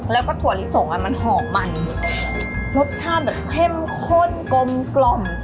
แล้วก็ถั่วลิสงอ่ะมันหอมมันรสชาติแบบเข้มข้นกลมกล่อม